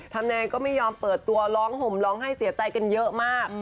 แนนก็ไม่ยอมเปิดตัวร้องห่มร้องไห้เสียใจกันเยอะมาก